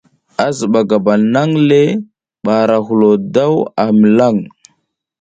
A ziba gabal nang le bara a ru a hilo daw a milan.